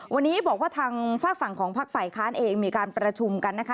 วันนี้บอกว่าทางฝากฝั่งของพักฝ่ายค้านเองมีการประชุมกันนะคะ